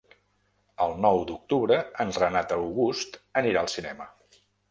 El nou d'octubre en Renat August anirà al cinema.